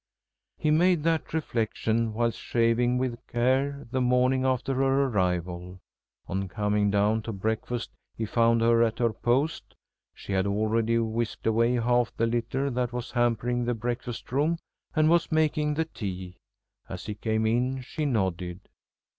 He made that reflection whilst shaving with care the morning after her arrival. On coming down to breakfast he found her at her post. She had already whisked away half the litter that was hampering the breakfast room, and was making the tea. As he came in she nodded.